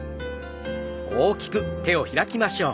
大きく開きましょう。